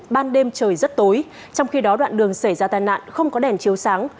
ban đêm trời rất tối trong khi đó đoạn đường xảy ra tai nạn không có đèn chiếu sáng